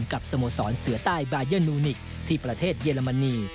สโมสรเสือใต้บายันนูนิกที่ประเทศเยอรมนี